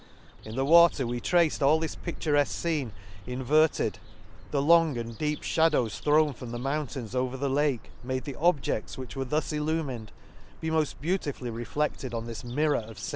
— In the water we traced all this pidturefque fcene in verted, the long and deep fhadows thrown • from the mountains over the Lake, made the objecfls, which were thus illumined, be moll beautifully refleded on this mh> ror of fable.